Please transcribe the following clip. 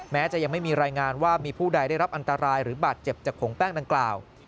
แม้จะยังไม่มีรายงานว่ามีผู้ใดได้รับอันตรายหรือบาดเจ็บจากผงแป้งดังกล่าว